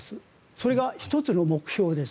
それが１つの目標です。